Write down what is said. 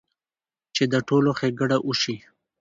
چې د ټولو ښېګړه اوشي -